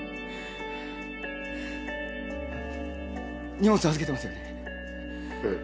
荷物預けてますよね？